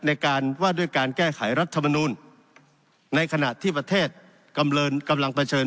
ในการว่าด้วยการแก้ไขรัฐมนูลในขณะที่ประเทศกำลังเผชิญ